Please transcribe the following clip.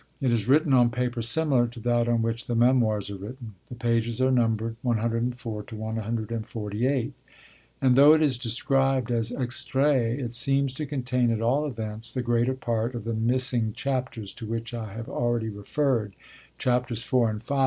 It is written on paper similar to that on which the Memoirs are written; the pages are numbered 104 148; and though it is described as Extrait, it seems to contain, at all events, the greater part of the missing chapters to which I have already referred, Chapters IV. and V.